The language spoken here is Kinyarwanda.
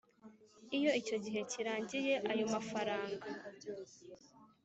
Iyo icyo gihe kirangiye ayo mafaranga